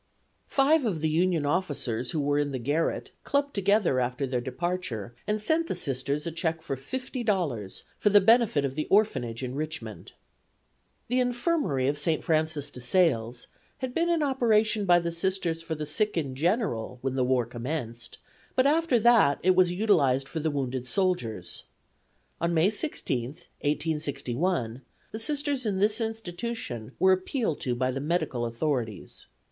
Five of the Union officers who were in the garret clubbed together after their departure and sent the Sisters a check for fifty dollars for the benefit of the orphanage in Richmond. The Infirmary of St. Francis de Sales had been in operation by the Sisters for the sick in general when the war commenced, but after that it was utilized for the wounded soldiers. On May 16, 1861, the Sisters in this institution were appealed to by the medical authorities.